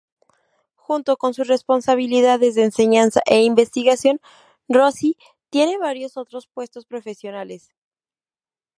Junto con sus responsabilidades de enseñanza e investigación, Rossi tiene varios otros puestos profesionales.